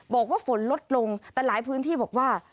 บอกว่าฝนลดลงแต่หลายพื้นที่บอกว่า